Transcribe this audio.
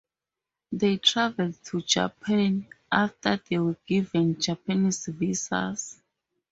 They traveled to Japan after they were given Japanese visas.